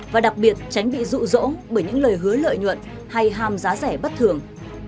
và đặc biệt tránh bị rụ rỗ bởi những lời hứa lợi nhuận hay hàm giá rẻ bất thường